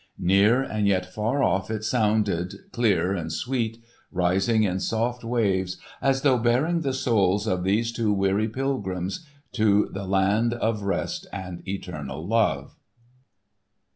Near and yet far off it sounded clear and sweet, rising in soft waves as though bearing the souls of these two weary pilgrims to the land of rest and eternal love.